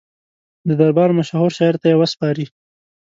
د دربار مشهور شاعر ته یې وسپاري.